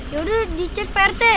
yaudah dicek pak rete